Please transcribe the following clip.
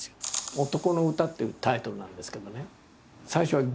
「おとこの詩」っていうタイトルなんですけどね。